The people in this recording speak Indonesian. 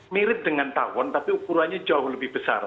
mirip dengan tawon tapi ukurannya jauh lebih besar